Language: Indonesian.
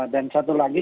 dan satu lagi